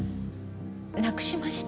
なくしました。